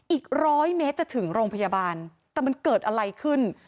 อีกร้อยเมตรจะถึงโรงพยาบาลแต่มันเกิดอะไรขึ้น